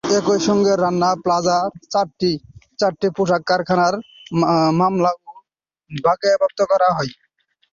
একই সঙ্গে রানা প্লাজার চারটি পোশাক কারখানার মালামালও বাজেয়াপ্ত করা হয়।